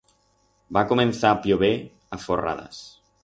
Va comenzar a pllover a forradas.